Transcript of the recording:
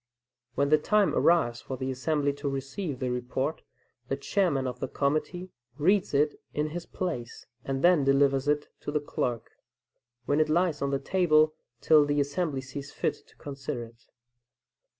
When the time arrives for the assembly to receive the report, the chairman of the committee reads it in his place, and then delivers it to the clerk, when it lies on the table till the assembly sees fit to consider it.